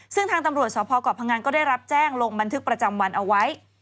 ซึ่งทางตำรวจสพเกาะพังงานก็ได้รับแจ้งลงบันทึกประจำวันเอาไว้